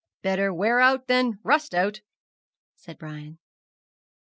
'Better wear out than rust out,' said Brian.